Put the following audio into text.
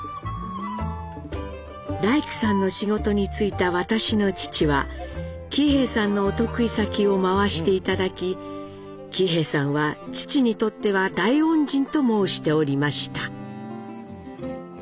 「大工さんの仕事についた私の父は喜兵衛さんのお得意先をまわして頂き喜兵衛さんは父にとっては大恩人と申しておりました」。